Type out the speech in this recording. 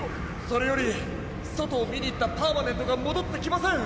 それよりそとをみにいったパーマネントがもどってきません。